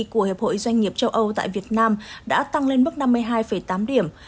của hiệp hội doanh nghiệp châu âu tại việt nam đã tăng lên mức năm mươi hai tám điểm